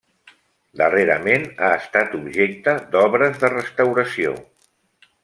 Darrerament ha estat objecte d'obres de restauració.